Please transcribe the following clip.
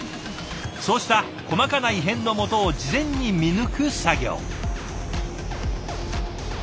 そうした細かな異変のもとを事前に見抜く作業。